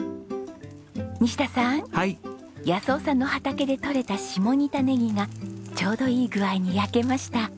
夫さんの畑でとれた下仁田ネギがちょうどいい具合に焼けました。